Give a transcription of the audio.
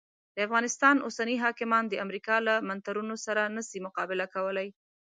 د افغانستان اوسني حاکمان د امریکا له منترونو سره نه سي مقابله کولای.